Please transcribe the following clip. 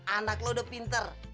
anak lo udah pinter